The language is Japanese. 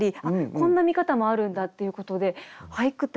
こんな見方もあるんだっていうことで俳句って